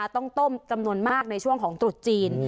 ต้มจำนวนมากในช่วงของตรุษจีน